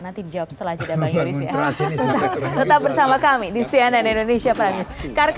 nanti dijawab setelah jodha bang yoris